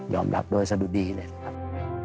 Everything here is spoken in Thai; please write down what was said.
รับโดยสะดุดีเลยนะครับ